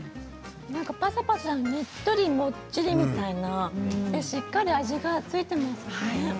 パサパサじゃなくてねっとり、もっちりみたいなしっかり味が付いていますね。